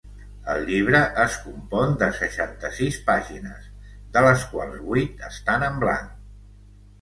El llibre es compon de seixanta-sis pàgines, de les quals vuit estan en blanc.